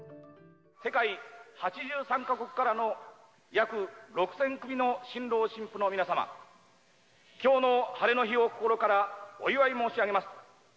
世界８３か国からの約６０００組の新郎新婦の皆様、きょうの晴れの日を心からお祝い申し上げます。